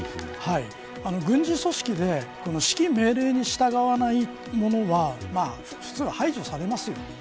軍事組織で指揮命令に従わない者は普通、排除されますよ。